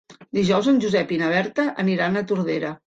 Dijous en Josep i na Berta aniran a Tordera.